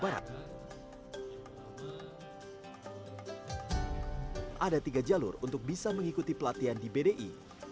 ada tiga jalur untuk bisa mengikuti pelatihan di bdi